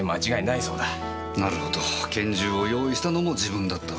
なるほど拳銃を用意したのも自分だったわけですね。